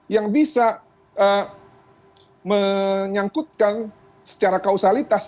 yang bisa menyangkutkan secara kausalitas